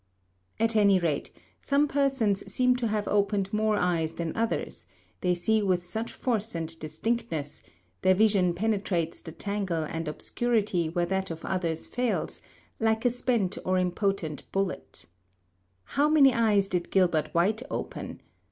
At any rate, some persons seem to have opened more eyes than others, they see with such force and distinctness; their vision penetrates the tangle and obscurity where that of others fails, like a spent or impotent bullet. How many eyes did Gilbert White open?